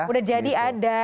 udah jadi ada